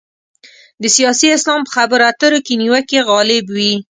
د سیاسي اسلام په خبرو اترو کې نیوکې غالب وي.